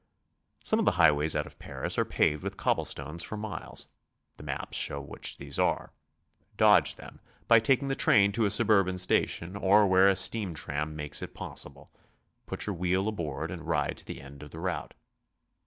Some of the highways out of Paris are paved with cobble stones for miles. The maps show which these are. Dodge them by taking the train to a surburban station; or where a steam tram makes it possible, put your wheel aboard and ride to the end of the route.